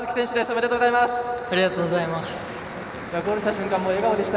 おめでとうございます。